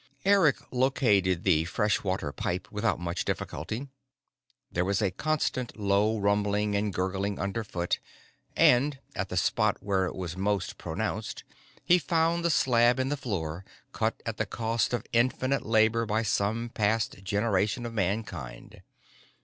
Eric located the fresh water pipe without much difficulty. There was a constant low rumbling and gurgling underfoot, and at the spot where it was most pronounced he found the slab in the floor cut at the cost of infinite labor by some past generation of Mankind.